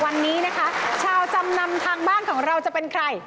วันนี้นะคะชาวจำนำทางบ้านของเราจะเป็นใคร